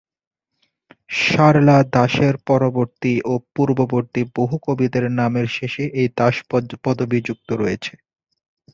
সরলা দাসের পরবর্তী ও পূর্ববর্তী বহু কবিদের নামের শেষে এই দাস পদবী যুক্ত রয়েছে।